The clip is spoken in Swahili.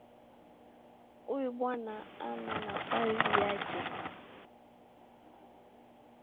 Huyu bwana ana nafasi yake